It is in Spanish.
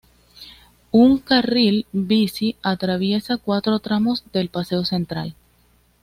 Un carril bici atraviesa cuatro tramos del paseo central.